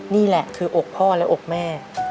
นี่แหละคืออกพ่อและอกแม่